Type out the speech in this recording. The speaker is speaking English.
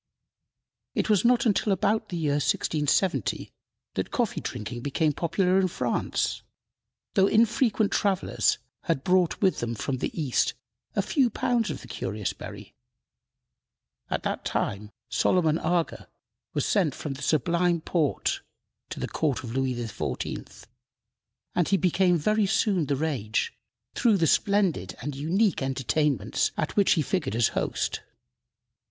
It was not until about the year 1670 that coffee drinking became popular in France, though infrequent travelers had brought with them from the East a few pounds of the curious berry. At that time Solomon Aga was sent from the Sublime Porte to the court of Louis XIV., and he became very soon the rage, through the splendid and unique entertainments at which he figured as host.